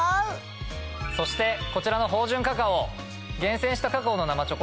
そしてこちらの芳醇カカオ。